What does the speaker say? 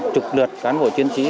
trục lượt cán bộ chiến sĩ